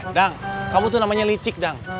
he dang kamu itu namanya licik dang